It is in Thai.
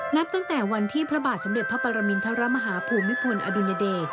นับตั้งแต่วันที่พระบาทสมเด็จพระปรมินทรมาฮาภูมิพลอดุญเดช